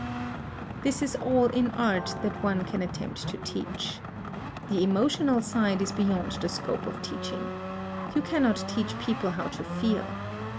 This is all in art that one can attempt to teach. The emotional side is beyond the scope of teaching. You cannot teach people how to feel.